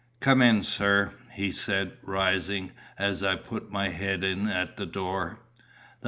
"Come in, sir," he said, rising, as I put my head in at the door.